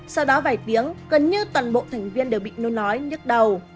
sau đó vài tiếng gần như toàn bộ thành viên đều bị nôn nói nhức đầu